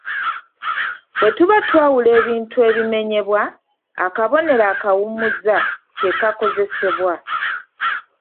Bwe tuba twawula ebintu ebimenyebwa, akabonero akawummuza ke kakozesebwa.